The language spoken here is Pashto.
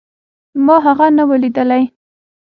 ما هغه نه و ليدلى.